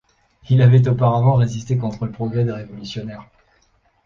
Il avait auparavant résisté contre le progrès des révolutionnaires.